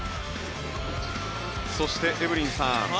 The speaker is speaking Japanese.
そして、エブリンさん